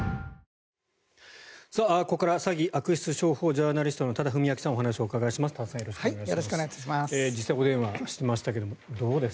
ここから詐欺・悪徳商法ジャーナリストの多田文明さんにお話をお伺いします。